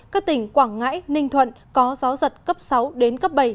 các tỉnh quảng ngãi ninh thuận có gió giật cấp sáu đến cấp bảy